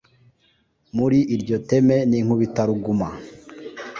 muri iryo teme n'inkubitaruguma